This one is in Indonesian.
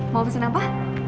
mau pesen apa